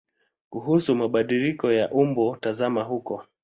Kuhusu mabadiliko ya umbo tazama huko.